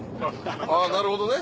あっなるほどね。